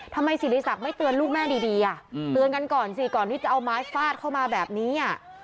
ทำไมสิริสักไม่เตือนลูกแม่ดีอ่ะเตือนกันก่อนสิก่อนที่จะเอาไม้ฟาดเข้ามาแบบนี้